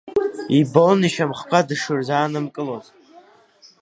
Ибон ишьамхқәа дшырзаанымкылоз.